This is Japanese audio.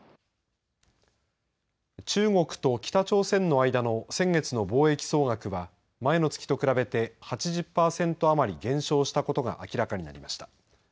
中国と北朝鮮の間の先月の貿易総額は前の月と比べて８０％余り減少したことが明らかになりました。